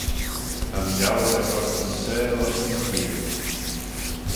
Ta'n Jowl er choyrt yn seihll ayns yn cheeill.